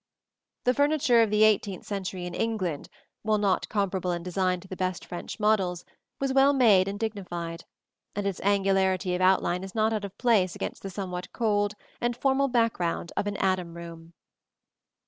] The furniture of the eighteenth century in England, while not comparable in design to the best French models, was well made and dignified; and its angularity of outline is not out of place against the somewhat cold and formal background of an Adam room.